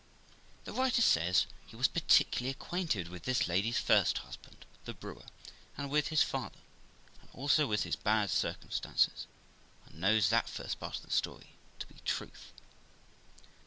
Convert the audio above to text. The writer says he was particularly acquainted with this lady's first husband, the brewer, and with his father, and also with his bad circum stances, and knows that first part of the story to be truth.